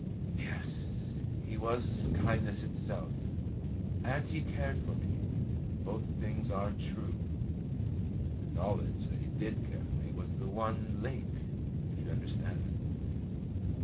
"Yes. He was kindness itself, and he cared for me. Both things are true. The knowledge that he did care for me was the one link, if you understand.